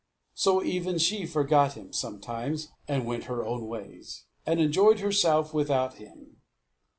So even she forgot him sometimes, and went her own ways, and enjoyed herself without him.